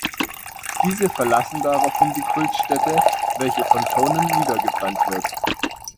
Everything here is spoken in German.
Diese verlassen daraufhin die Kultstätte, welche von Conan niedergebrannt wird.